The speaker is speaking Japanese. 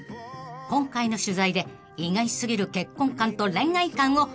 ［今回の取材で意外過ぎる結婚観と恋愛観を告白］